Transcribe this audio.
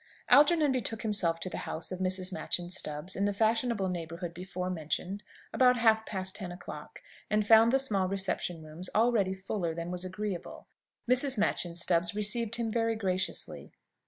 Algernon betook himself to the house of Mrs. Machyn Stubbs, in the fashionable neighbourhood before mentioned, about half past ten o'clock, and found the small reception rooms already fuller than was agreeable. Mrs. Machyn Stubbs received him very graciously.